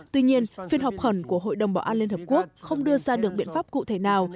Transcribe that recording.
tuy nhiên phiên họp khẩn của hội đồng bảo an liên hợp quốc không đưa ra được biện pháp cụ thể nào